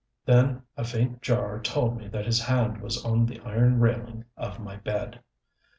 Then a faint jar told me that his hand was on the iron railing of my bed.